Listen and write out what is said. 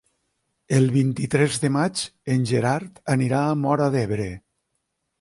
El vint-i-tres de maig en Gerard anirà a Móra d'Ebre.